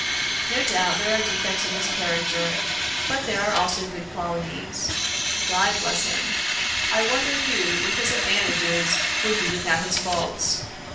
No doubt, there are defects in his character, but there are also good qualities ... God bless him! I wonder who, with his advantages, would be without his faults.